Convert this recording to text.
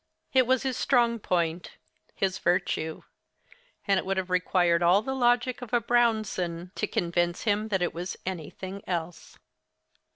It was his strong point—his virtue; and it would have required all the logic of a Brownson to convince him that it was 'anything else.